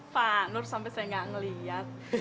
pak nur sampai saya gak melihat